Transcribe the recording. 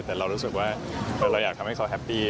แต่เรารู้สึกว่าเราอยากทำให้เขาแฮปปี้